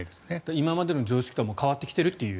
今までの常識とは変わってきていると。